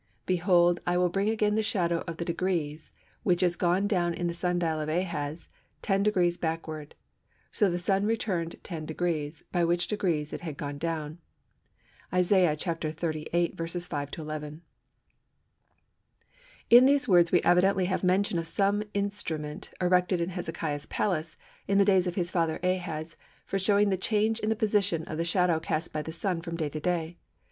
Behold, I will bring again the shadow of the degrees, which is gone down in the sun dial of Ahaz ten degrees backward. So the Sun returned ten degrees, by which degrees it had gone down." (Isaiah xxxviii. 5 8). In these words we evidently have mention of some instrument erected in Hezekiah's palace, in the days of his father Ahaz, for showing the change in the position of the shadow cast by the Sun from day to day.